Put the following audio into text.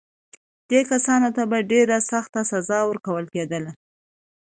دې کسانو ته به ډېره سخته سزا ورکول کېدله.